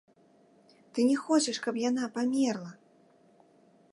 Ты не хочаш, каб яна памерла!